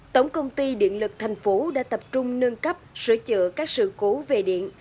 tổng công ty điện lực tp hcm đã tập trung nâng cấp sửa chữa các sự cố về điện